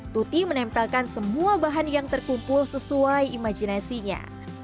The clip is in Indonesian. tuti menempelkan semua bahan yang terkumpul sesuai imajinasinya